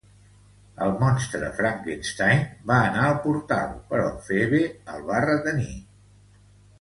El monstre Frankenstein va anar al portal però Phoebe el va retenir.